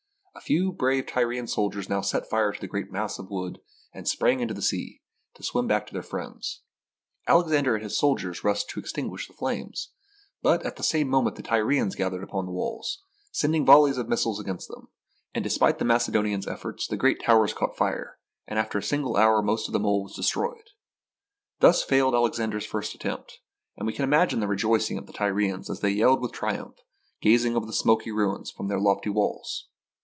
A few brave Tyrian sailors now set fire to the great mass of wood and sprang into the sea, to swim back to their friends. Alexander and his soldiers rushed to extinguish the flames, but at the same moment the Tyrians gathered upon the walls, sending volleys of missiles against them, and, despite the Macedonians' ef forts, the great towers caught fire, and after a sin gle hour most of the mole was destroyed. Thus failed Alexander's first attempt; and we can imagine the rejoicing of the Tyrians as they yelled with triumph, gazing over the smoking ruins from their lofty walls.